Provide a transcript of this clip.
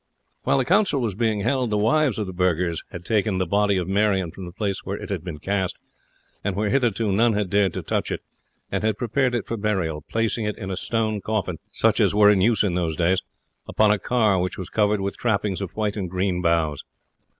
While the council was being held, the wives of the burghers had taken the body of Marion from the place where it had been cast, and where hitherto none had dared to touch it, and had prepared it for burial, placing it in a stone coffin, such as were in use in those days, upon a car which was covered with trappings of white and green boughs.